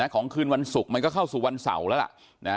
ของคืนวันศุกร์มันก็เข้าสู่วันเสาร์แล้วล่ะ